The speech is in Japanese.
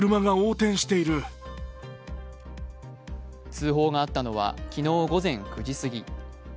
通報があったのは昨日午前９時過ぎ。